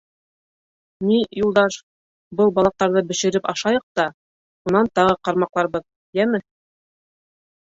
— Ни, Юлдаш, был балыҡтарҙы бешереп ашайыҡ та унан тағы ҡармаҡларбыҙ, йәме.